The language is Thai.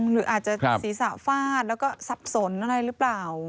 หรืออาจจะศีรษะฟาดแล้วก็ซับสนอะไรหรือเปล่า